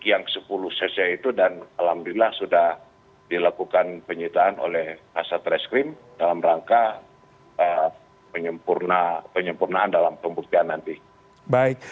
yang sepuluh cc itu dan alhamdulillah sudah dilakukan penyitaan oleh kasat reskrim dalam rangka penyempurnaan dalam pembuktian nanti